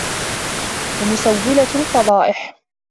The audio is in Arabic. وَمُسَوِّلَةُ الْفَضَائِحِ